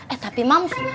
eh tapi mams